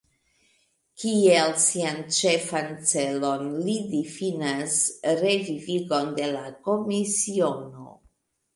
Kiel sian ĉefan celon li difinas revivigon de la komisiono.